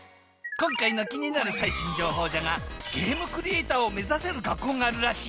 今回の気になる最新情報じゃがゲームクリエイターを目指せる学校があるらしい。